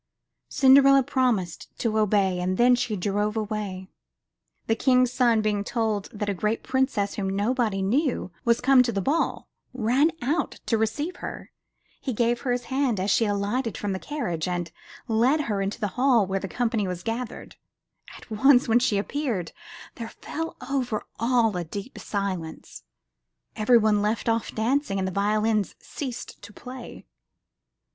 Cinderella promised to obey and then she drove away. The King's son, being told that a great princess whom nobody knew was come to the ball, ran out to receive her. He gave her his hand as she alighted from the coach, and led her into the hall where the company was gathered. At once when she appeared, there fell over all a deep silence; every one left off dancing and the violins ceased to play.